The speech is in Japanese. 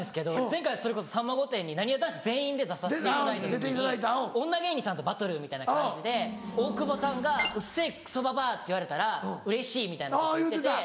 前回『さんま御殿‼』になにわ男子全員で出させていただいた時に女芸人さんとバトルみたいな感じで大久保さんが「うっせぇクソばばあ」って言われたらうれしいみたいなこと言ってて。